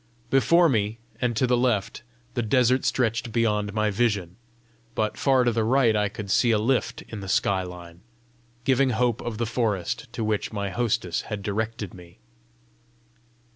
Before me and to the left, the desert stretched beyond my vision, but far to the right I could see a lift in the sky line, giving hope of the forest to which my hostess had directed me.